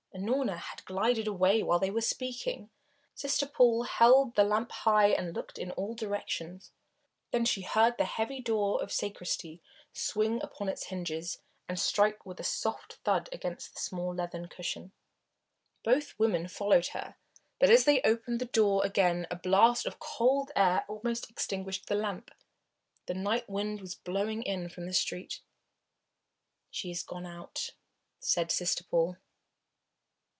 Unorna had glided away while they were speaking. Sister Paul held the lamp high and looked in all directions. Then she heard the heavy door of the sacristy swing upon its hinges and strike with a soft thud against the small leathern cushion. Both women followed her, but as they opened the door again a blast of cold air almost extinguished the lamp. The night wind was blowing in from the street. "She is gone out," said Sister Paul.